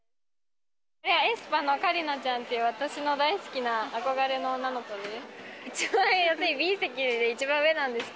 エスパのカリナちゃんっていう、私の大好きな憧れの女の子です。